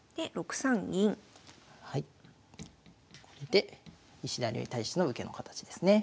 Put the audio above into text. で石田流に対しての受けの形ですね。